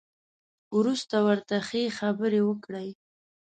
وروسته ورته ښې خبرې وکړئ.